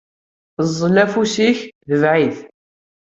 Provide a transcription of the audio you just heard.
Ẓẓel afus-ik, tbeɛ-it!